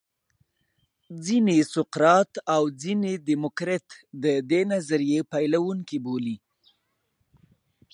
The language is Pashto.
ځینې سقرات او ځینې دیموکریت د دې نظریې پیلوونکي بولي